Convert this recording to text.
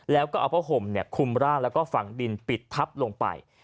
แล้วก็เอาโพธิห่มเนี่ยคุมร่างส่องฝังดินผิดทับลงไป